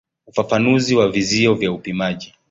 Ufafanuzi wa vizio vya upimaji.